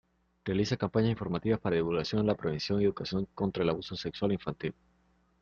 Realiza campañas informativas para divulgación la Prevención y Educación contra el Abuso Sexual Infantil.